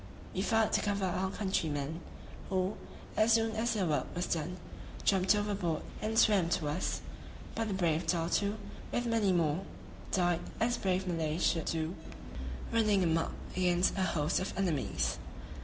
We fired to cover our countrymen, who, as soon as their work was done, jumped overboard and swam to us; but the brave Datoo, with many more died as brave Malays should do, running a muck against a host of enemies.